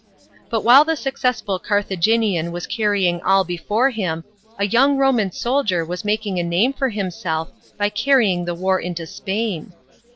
But while the successful Carthaginian was carry ing all before him, a young Ro&ian soldier was making a name for himself, by* carrying the war into Spain.